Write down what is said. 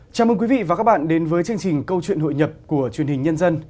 chào mừng quý vị và các bạn đến với chương trình câu chuyện hội nhập của truyền hình nhân dân